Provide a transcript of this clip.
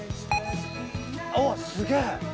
おっすげぇ。